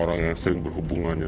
orang yang sering berhubungannya